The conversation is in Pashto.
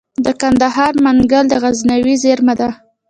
د کندهار منگل د غزنوي زیرمه ده